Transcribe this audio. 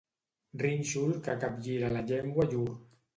Rínxol que capgira la llengua llur.